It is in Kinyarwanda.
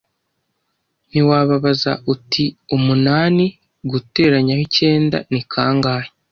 ntiwababaza uti umunani guteranyaho icyenda ni kangahe